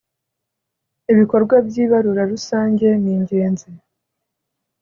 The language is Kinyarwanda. ibikorwa by’ ibarura rusange ningenzi.